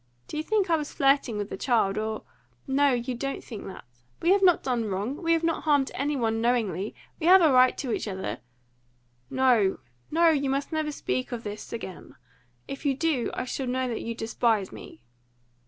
Do you think I was flirting with the child, or no, you don't think that! We have not done wrong. We have not harmed any one knowingly. We have a right to each other " "No! no! you must never speak to me of this again. If you do, I shall know that you despise me."